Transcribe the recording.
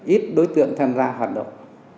ít đối tượng tham gia hoạt động